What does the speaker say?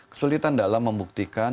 kesulitan dalam membuktikan